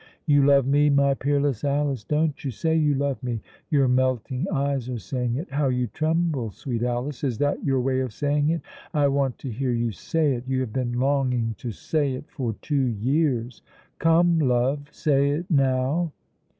You love me, my peerless Alice, don't you? Say you love me. Your melting eyes are saying it. How you tremble, sweet Alice! Is that your way of saying it? I want to hear you say it. You have been longing to say it for two years. Come, love, say it now!"